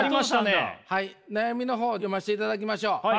はい悩みの方読ましていただきましょう。